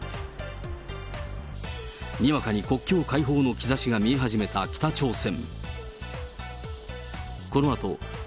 にわかに国境開放の兆しが見え始めた北朝鮮。